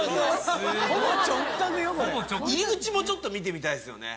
４５度⁉もちょっと見てみたいですよね。